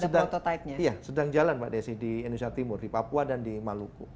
sudah ini sudah iya sedang jalan pak desi di indonesia timur di papua dan di maluku